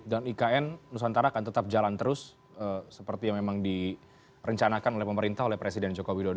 dan ikn nusantara akan tetap jalan terus seperti yang memang direncanakan oleh pemerintah oleh presiden jokowi dodo